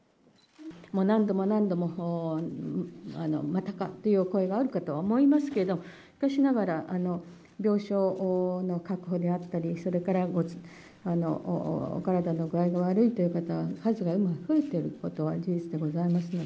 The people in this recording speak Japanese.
何度も何度も、またかというお声があるかとは思いますけど、しかしながら、病床の確保であったり、それから、お体の具合が悪いという方、数が今、増えていることは事実でございます。